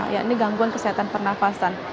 ini gangguan kesehatan pernafasan